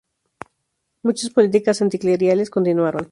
Muchas políticas anticlericales continuaron.